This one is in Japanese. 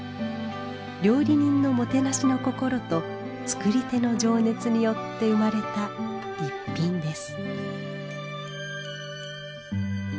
料理人のもてなしの心と作り手の情熱によって生まれた逸品です。